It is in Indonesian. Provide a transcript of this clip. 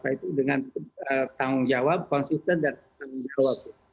itu dengan tanggung jawab konsisten dan tanggung jawab